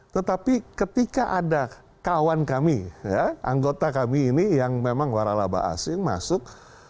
tetapi ketika ada kawan kami anggota kami ini yang memang waralaba asing masuk